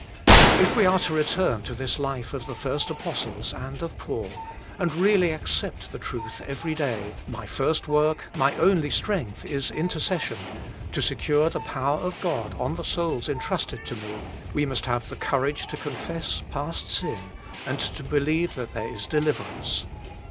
If we are to return to this life of the first apostles and of Paul, and really accept the truth every day my first work, my only strength is intercession, to secure the power of God on the souls entrusted to me we must have the courage to confess past sin, and to believe that there is deliverance.